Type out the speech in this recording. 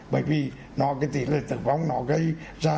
bởi vì tỷ lệ tử vong nó gây ra